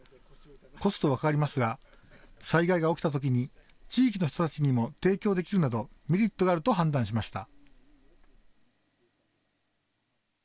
コストはかかりますが災害が起きたときに地域の人たちにも提供できるなどメリットがあると判断しました。